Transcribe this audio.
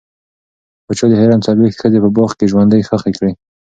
پاچا د حرم څلوېښت ښځې په باغ کې ژوندۍ ښخې کړې.